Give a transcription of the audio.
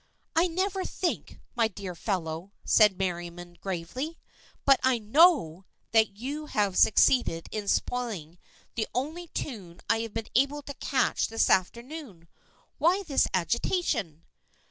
" I never think, my dear fellow," said Merriam gravely. " But I know that you have succeeded in spoiling the only tune I have been able to catch this afternoon. Why this agitation